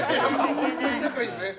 本当に仲いいんですね。